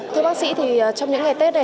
thưa bác sĩ thì trong những ngày tết này